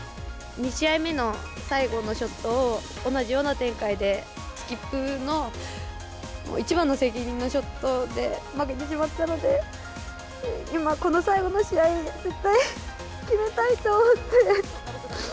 ２試合目の最後のショットを同じような展開で、スキップの一番の責任のショットで負けてしまったので、今、この最後の試合、絶対決めたいと思って。